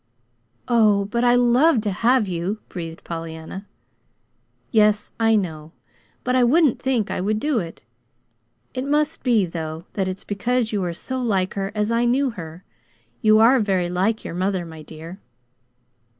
"Oh, but I love to have you," breathed Pollyanna. "Yes, I know but I wouldn't think I would do it. It must be, though, that it's because you are so like her, as I knew her. You are very like your mother, my dear."